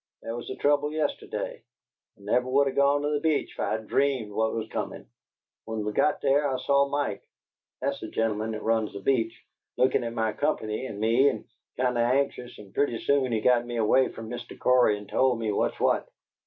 That was the trouble yesterday. I never would of gone to the Beach if I'd dreamed what was comin'! When we got there I saw Mike that's the gen'leman that runs the Beach lookin' at my company and me kind of anxious, and pretty soon he got me away from Mr. Cory and told me what's what.